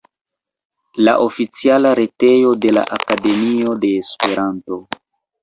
La oficiala retejo de la Akademio de Esperanto.